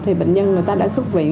thì bệnh nhân người ta đã xuất viện